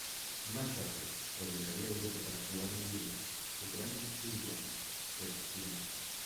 Más tarde, regresaría a Europa para jugar en Hungría, Ucrania y Lituania, respectivamente.